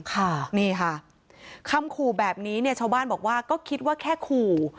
ค่ะนี่ค่ะคำขู่แบบนี้เนี่ยชาวบ้านบอกว่าก็คิดว่าแค่ขู่